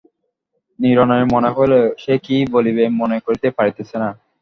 নীরেনের মনে হইল সে কি বলিবে মনে করিতে পারিতেছে না।